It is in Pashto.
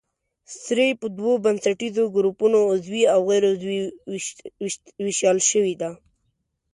سرې په دوو بنسټیزو ګروپونو عضوي او غیر عضوي ویشل شوې دي.